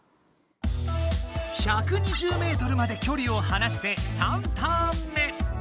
１２０ｍまできょりをはなして３ターン目。